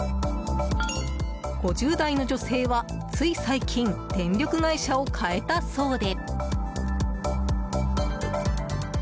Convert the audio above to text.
５０代の女性は、つい最近電力会社を変えたそうで。